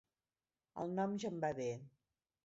El nom ja em va bé.